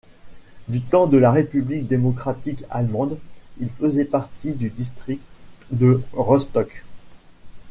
Du temps de la république démocratique allemande, il faisait partie du district de Rostock.